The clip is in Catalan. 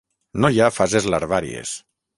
No hi ha fases larvàries.